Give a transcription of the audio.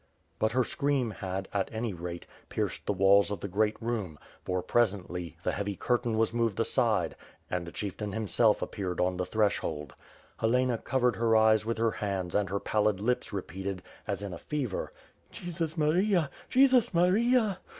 But her scream had, at any rate, pierced the walls of the guest room; for, presently, the heavy curtain was moved aside and the chieftain himself appeared on the threshold. Helena covered her eyes with her hands and her pallid lips repeated, as in a fever: *' Jesus Maria! Jesus Maria!"